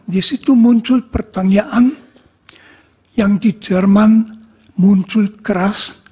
di situ muncul pertanyaan yang di jerman muncul keras